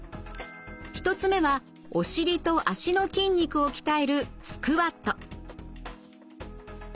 １つ目はお尻と脚の筋肉を鍛えるスクワット。